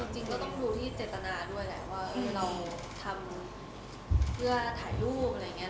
จริงก็ต้องดูที่เจตนาด้วยแหละว่าเราทำเพื่อถ่ายรูปอะไรอย่างนี้